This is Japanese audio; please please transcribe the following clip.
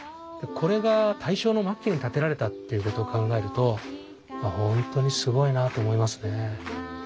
これが大正の末期に建てられたっていうことを考えると本当にすごいなと思いますね。